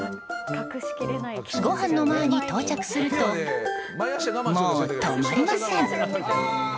ごはんの前に到着するともう止まりません。